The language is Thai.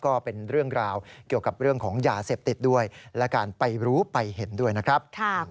ก็เป็นเรื่องราวเกี่ยวกับเรื่องของยาเสพติดด้วยและการไปรู้ไปเห็นด้วยนะครับ